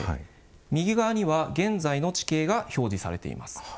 右側には現在の地形が表示されています。